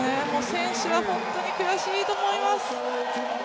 選手は本当に悔しいと思います。